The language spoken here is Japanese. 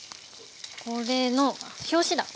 これの表紙だ！